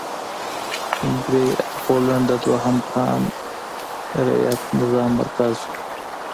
هنګري او پولنډ د دویم خان رعیت نظام مرکز و.